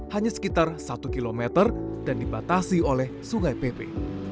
hanya sekitar satu km dan dibatasi oleh sungai pepe